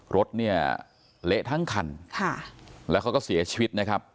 รถเนี่ยเละทั้งคันค่ะแล้วเขาก็เสียชีวิตนะครับ